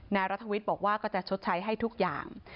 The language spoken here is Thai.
นายรัฐวิทย์บอกว่าก็จะชดใช้ให้ทุกอย่าง